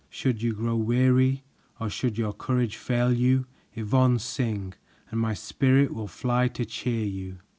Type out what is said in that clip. Should you grow weary or should your courage fail you, Yvonne, sing, and my spirit will fly to cheer you."